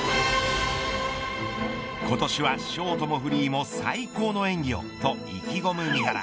今年はショートもフリーも最高の演技を、と意気込む三原。